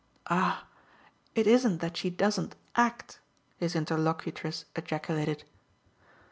"Ah it isn't that she doesn't 'act'!" his interlocutress ejaculated.